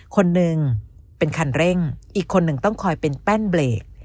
คนหนึ่งเป็นคันเร่งอีกคนหนึ่งต้องคอยเป็นแป้นเบรก